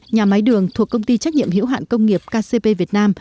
nhà máy đường thuộc công ty trách nhiệm hiểu hạn công nghiệp kcp việt nam